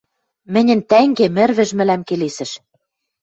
— Мӹньӹн тӓнгем, ӹрвӹж, мӹлӓм келесӹш...